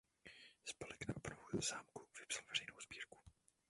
Spolek na obnovu zámku vypsal veřejnou sbírku.